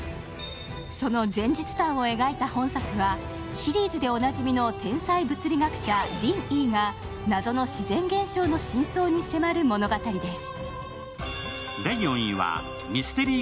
その前日譚を描いた本作はシリーズでおなじみの天才物理学・丁儀が謎の自然現象の真相に迫る物語です。